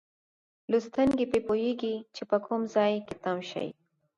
لوستونکی پرې پوهیږي چې په کوم ځای کې تم شي.